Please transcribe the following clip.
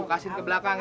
kasih ke belakang ya